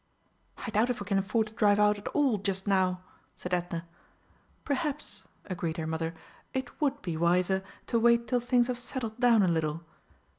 "I doubt if we can afford to drive out at all just now," said Edna. "Perhaps," agreed her mother, "it would be wiser to wait till things have settled down a little.